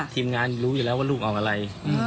ทีมงานรู้อยู่แล้วว่าลูกเอาอะไร